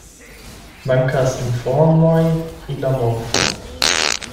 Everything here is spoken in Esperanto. Mankas informoj pri la morto.